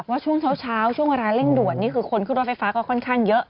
ว่าช่วงเช้าช่วงเวลาเร่งด่วนนี่คือคนขึ้นรถไฟฟ้าก็ค่อนข้างเยอะ